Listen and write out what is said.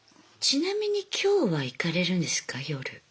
ちなみに今日は行かれるんですか夜。